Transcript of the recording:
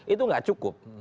itu tidak cukup